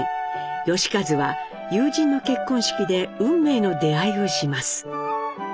喜一は友人の結婚式で運命の出会いをします。